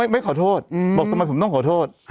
ไม่ขอโทษบอกทำไมผมต้องขอโทษ